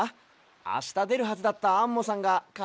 あしたでるはずだったアンモさんがかぜをひいちゃって。